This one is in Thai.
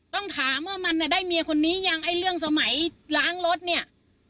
ต้องถามว่ามันได้เมียคนนี้ยังไอ้เรื่องสมัยล้างรถเนี่ย